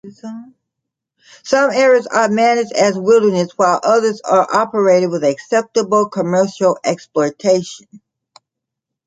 Some areas are managed as wilderness while others are operated with acceptable commercial exploitation.